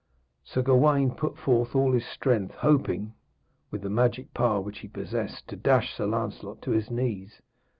Sir Gawaine put forth all his strength, hoping, with the magic power which he possessed, to dash Sir Lancelot to his knees.